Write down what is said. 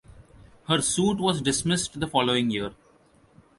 Her suit was dismissed the following year.